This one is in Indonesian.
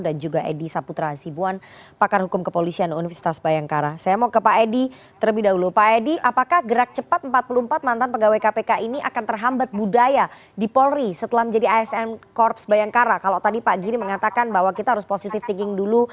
di polri setelah menjadi asn korps bayangkara kalau tadi pak giri mengatakan bahwa kita harus positive thinking dulu